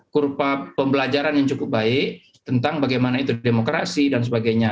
kurpa pembelajaran yang cukup baik tentang bagaimana itu demokrasi dan sebagainya